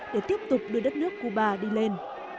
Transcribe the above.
để tiếp tục đưa đất nước cuba đi lên